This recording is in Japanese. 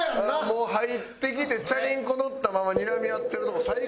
もう入ってきてチャリンコ乗ったままにらみ合ってるとこ最高やった。